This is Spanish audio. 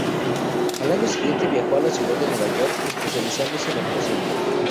Al año siguiente viajó a la ciudad de Nueva York, especializándose en actuación.